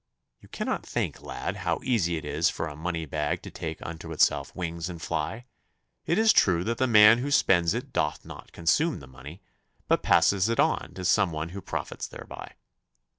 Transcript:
You cannot think, lad, how easy it is for a money bag to take unto itself wings and fly. It is true that the man who spends it doth not consume the money, but passes it on to some one who profits thereby.